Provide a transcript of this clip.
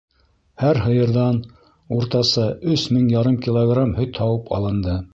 Һәр һыйырҙан уртаса өс мең ярым килограмм һөт һауып алынды.